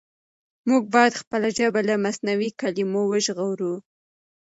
موږ بايد خپله ژبه له مصنوعي کلمو وژغورو.